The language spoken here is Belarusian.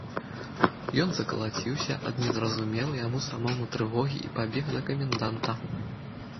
Ён закалаціўся ад незразумелай яму самому трывогі і пабег да каменданта.